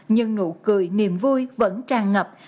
nhưng nụ cười niềm vui vẫn tràn ngập